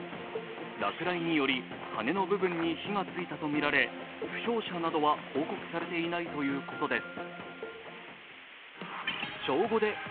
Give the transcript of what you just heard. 落雷により羽根の部分に火がついたとみられ負傷者などは報告されていないということです。